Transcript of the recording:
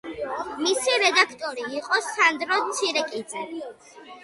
მისი რედაქტორი იყო სანდრო ცირეკიძე.